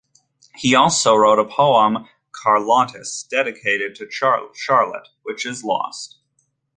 He also wrote a poem "Karlotis", dedicated to Charlot, which is lost.